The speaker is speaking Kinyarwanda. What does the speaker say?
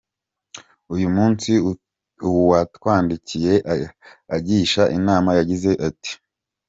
Uyu munsi uwatwandikiye agisha inama yagize ati:.